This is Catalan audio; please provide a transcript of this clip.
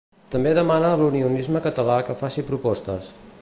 També demana a l'unionisme català que faci propostes.